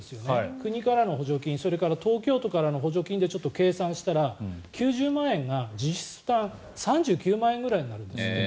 国からの補助金それから東京都からの補助金でちょっと計算したら９０万円が実質負担、３９万円ぐらいになるんですって。